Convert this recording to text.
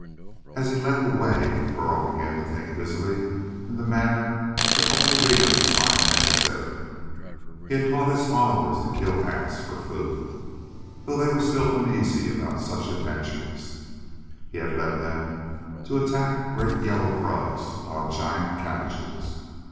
As he led the way Burl began to think busily in the manner that only leaders find necessary. He had taught his followers to kill ants for food, though they were still uneasy about such adventures. He had led them to attack great yellow grubs upon giant cabbages.